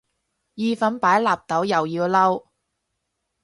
意粉擺納豆又要嬲